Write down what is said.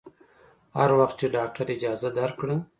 هر وخت چې ډاکتر اجازه درکړه.